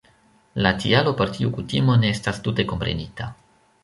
La tialo por tiu kutimo ne estas tute komprenita.